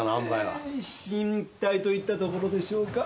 一進一退といったところでしょうか。